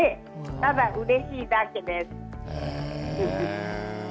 ただ、うれしいだけです。